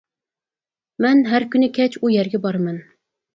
مەن ھەر كۈنى كەچ ئۇ يەرگە بارىمەن.